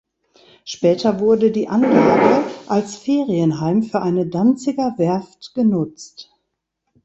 Später wurde die Anlage als Ferienheim für eine Danziger Werft genutzt.